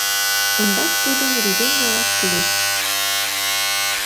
Ондак тудым рӱден налаш кӱлеш.